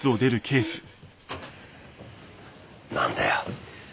なんだよ？